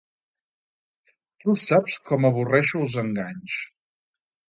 Tu saps com avorreixo els enganys.